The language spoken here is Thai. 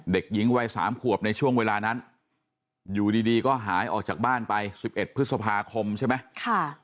เด็กหญิงวัย๓ขวบในช่วงเวลานั้นอยู่ดีก็หายออกจากบ้านไป๑๑พฤษภาคมใช่ไหม